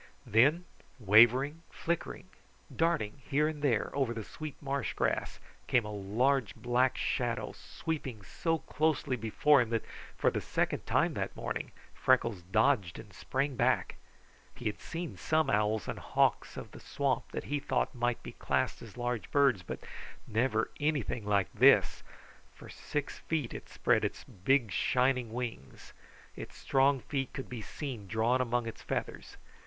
Then, wavering, flickering, darting here and there over the sweet marsh grass, came a large black shadow, sweeping so closely before him that for the second time that morning Freckles dodged and sprang back. He had seen some owls and hawks of the swamp that he thought might be classed as large birds, but never anything like this, for six feet it spread its big, shining wings. Its strong feet could be seen drawn among its feathers.